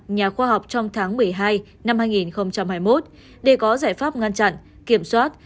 nhà khoa học trong tháng một mươi hai năm hai nghìn hai mươi một để có giải pháp ngăn chặn kiểm soát